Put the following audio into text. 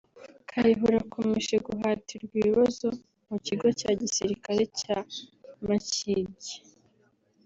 Kayihura akomeje guhatirwa ibibazo mu kigo cya gisirikare cya Makindye